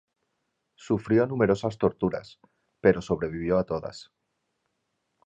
Sufrió numerosas torturas, pero sobrevivió a todas.